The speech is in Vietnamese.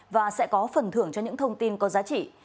và sẽ có phần thưởng cho những thông tin có giá trị